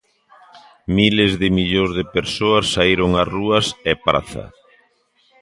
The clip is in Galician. Miles de millóns de persoas saíron ás rúas e praza.